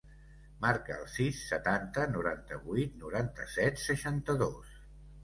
Marca el sis, setanta, noranta-vuit, noranta-set, seixanta-dos.